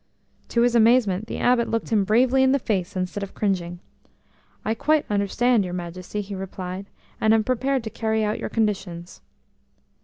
To his amazement the Abbot looked him bravely in the face instead of cringing. "I quite understand, your Majesty," he replied, "and am prepared to carry out your conditions."